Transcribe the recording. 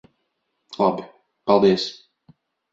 Labi. Paldies.